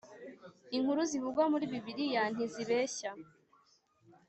inkuru zivugwa muri bibiliya ntizibeshya